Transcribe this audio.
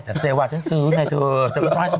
แต่เซวาฉันซื้อไงเถอะ